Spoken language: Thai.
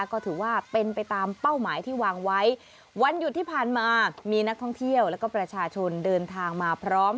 ก็ถือว่าเป็นไปตามเป้าหมายที่วางไว้วันหยุดที่ผ่านมามีนักท่องเที่ยวแล้วก็ประชาชนเดินทางมาพร้อม